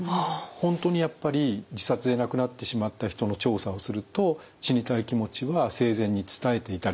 本当にやっぱり自殺で亡くなってしまった人の調査をすると死にたい気持ちは生前に伝えていたりすることが多いんですね。